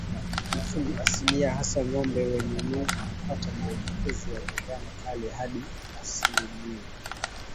Mifugo asilia hasa ngombe wenye nundu hupata maambukizi ya ndigana kali hadi asilimia mia